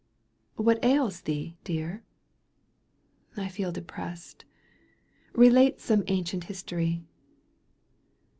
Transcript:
" What ails thee, dear ?"—" I feel depressed. Eelate some ancient history."